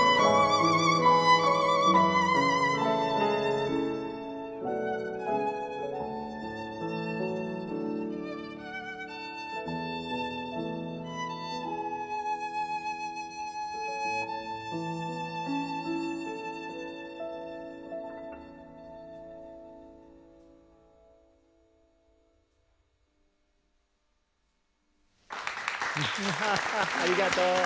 ありがとう。